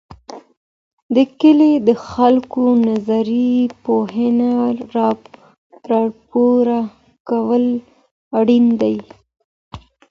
د کلي د خلګو نظري پوښتني راپور کول اړیني دي.